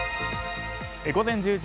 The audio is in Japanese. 午前１０時。